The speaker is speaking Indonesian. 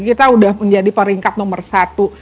kita sudah menjadi peringkat nomor satu